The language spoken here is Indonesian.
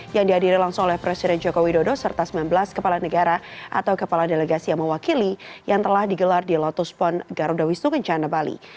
yang dihadiri langsung oleh presiden joko widodo serta sembilan belas kepala negara atau kepala delegasi yang mewakili yang telah digelar di lotus pon garuda wisnu kencana bali